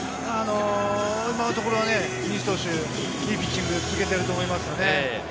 今のところは西投手、いいピッチング続けていると思います。